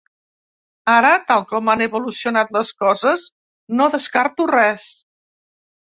Ara, tal com han evolucionat les coses, no descarto res.